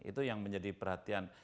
itu yang menjadi perhatian